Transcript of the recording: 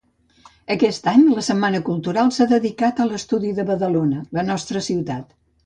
Aquest any la Setmana Cultural s'ha dedicat a l'estudi de Badalona, la nostra ciutat.